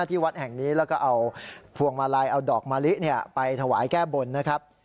ที่วัดแห่งนี้แล้วก็เอาพวงมาลัยเอาดอกมะลิไปถวายแก้บนนะครับ